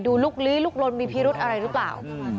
ดูลูกลี้ลูกล้นมีพิรุธอะไรรึเปล่า